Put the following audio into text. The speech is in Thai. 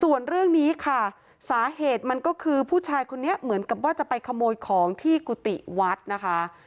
ส่วนเรื่องนี้ค่ะสาเหตุมันก็คือผู้ชายคนนี้เหมือนกับว่าจะไปขโมยของที่กุฏิวัดนะคะ